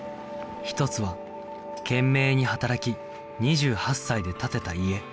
一つは懸命に働き２８歳で建てた家